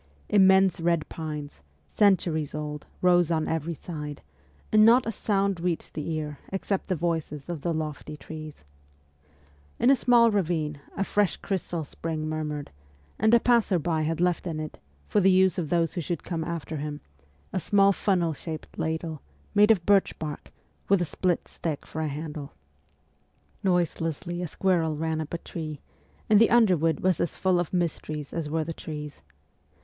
Immense red pines, centuries old, rose on every side, and not a sound reached the ear except the voices of the lofty trees. In a small ravine a fresh crystal spring murmured, and a passer by had left in it, for the use of those who should come after him, a small funnel shaped ladle, made of birch bark, with a split stick for a handle. Noiselessly a squirrel ran up a tree, and the underwood was as full of mysteries as were the trees.